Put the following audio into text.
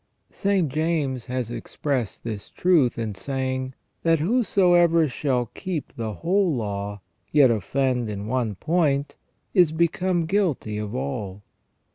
St. James has expressed this truth in saying, that " Whosoever shall keep the whole law, yet offend in one point, is become guilty of all